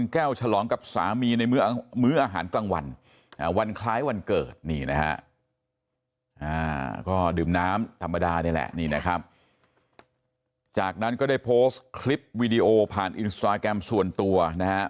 ก็ดื่มน้ำธรรมดานี่แหละนี่นะครับจากนั้นก็ได้โพสต์คลิปวิดีโอผ่านอินสตราแกรมส่วนตัวนะฮะ